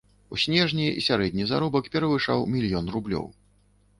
У снежні сярэдні заробак перавышаў мільён рублёў.